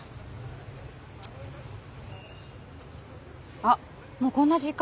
あっもうこんな時間。